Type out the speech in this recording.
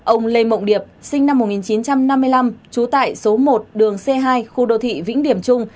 ông lê mộng điệp sinh năm một nghìn chín trăm năm mươi năm trú tại số một đường c hai khu đô thị vĩnh điểm trung